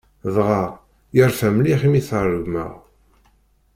Dɣa, yerfa mliḥ imi i t-regmeɣ.